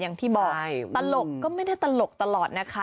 อย่างที่บอกตลกก็ไม่ได้ตลกตลอดนะคะ